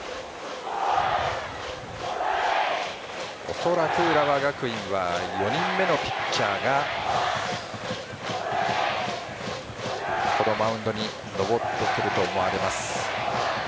恐らく浦和学院は４人目のピッチャーがこのマウンドに登ってくると思われます。